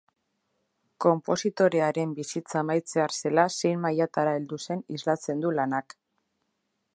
Konpositorearen bizitza amaitzear zela zein mailatara heldu zen islatzen du lanak.